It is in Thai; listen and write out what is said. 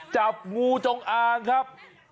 จับงูจงอางครับ